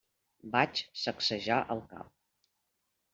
Vaig sacsejar el cap.